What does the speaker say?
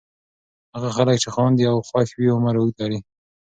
هغه خلک چې خاندي او خوښ وي عمر اوږد لري.